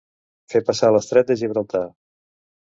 Fer passar l'estret de Gibraltar.